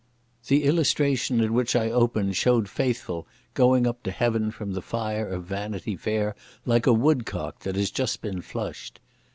The illustration at which I opened showed Faithful going up to Heaven from the fire of Vanity Fair like a woodcock that has just been flushed.